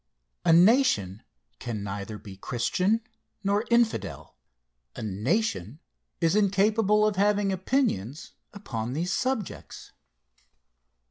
A nation can neither be Christian nor Infidel a nation is incapable of having opinions upon these subjects.